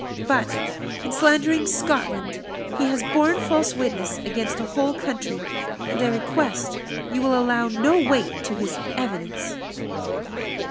But, in slandering Scotland, he has borne false witness against a whole country; and I request you will allow no weight to his evidence."